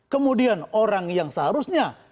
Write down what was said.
kemudian orang yang seharusnya